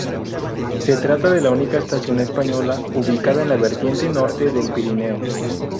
Se trata de la única estación española ubicada en la vertiente norte del Pirineo.